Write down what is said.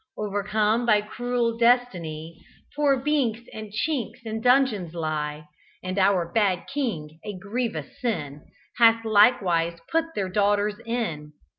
O'ercome by cruel destiny, Poor Binks and Chinks in dungeons lie, And our bad king a grievous sin Hath likewise put their daughters in.